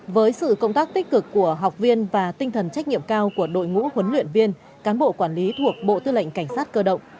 với sự công tác tích cực của học viên và tinh thần trách nhiệm cao của đội ngũ huấn luyện viên cán bộ quản lý thuộc bộ tư lệnh cảnh sát cơ động